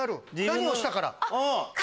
何をしたから？